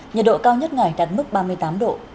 nhiệt độ cao nhất ngày đạt mức ba mươi tám độ